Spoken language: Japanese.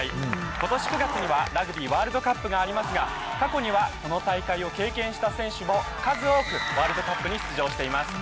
ことし９月にはラグビーワールドカップがありますが、過去には、この大会を経験した選手も数多くワールドカップに出場しています。